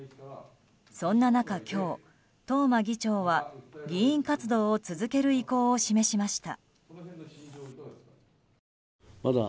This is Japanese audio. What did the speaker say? そんな中、今日、東間議長は議員活動を続ける意向を示しました。